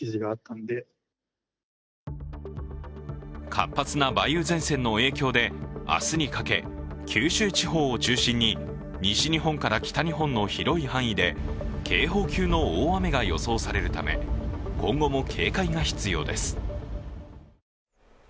活発な梅雨前線の影響で明日にかけ九州地方を中心に西日本から北日本の広い範囲で警報級の大雨が予想されるため、今後も警戒が必要です。